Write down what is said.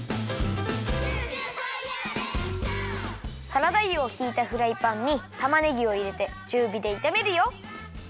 サラダ油をひいたフライパンにたまねぎをいれてちゅうびでいためるよ。